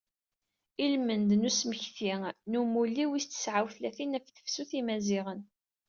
Ilmend n usmekti n umulli wis tesεa u tlatin ɣef tefsut n yimaziɣen.